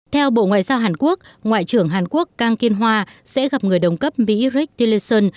theo bộ ngoại giao hàn quốc ngoại trưởng hàn quốc kang kiên hòa sẽ gặp người đồng cấp mỹ rick tillerson